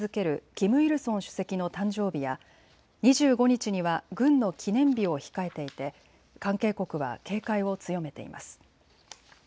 キム・イルソン主席の誕生日や２５日には軍の記念日を控えていて関係国は警戒を強めています。